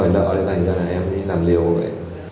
nên đã lên mạng internet học cách phá kính xe ô tô